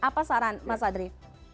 apa saran mas adri